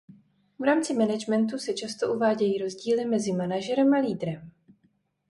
V rámci managementu se často uvádějí rozdíly mezi manažerem a lídrem.